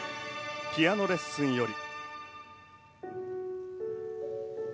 『ピアノ・レッスン』より。